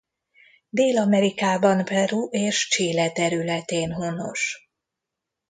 Dél-Amerikában Peru és Chile területén honos.